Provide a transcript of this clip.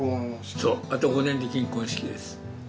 そうあと５年で金婚式です。